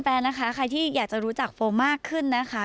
แฟนนะคะใครที่อยากจะรู้จักโฟมมากขึ้นนะคะ